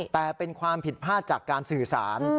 แต่เป็นความผิดพลาดจากการสื่อสาร